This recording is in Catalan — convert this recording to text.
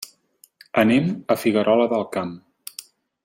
Anem a Figuerola del Camp.